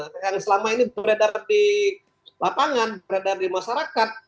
yang selama ini beredar di lapangan beredar di masyarakat